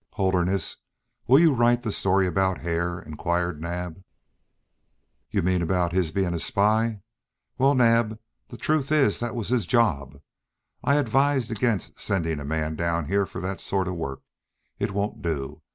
"Holderness, will you right the story about Hare?" inquired Naab. "You mean about his being a spy? Well, Naab, the truth is that was his job. I advised against sending a man down here for that sort of work. It won't do.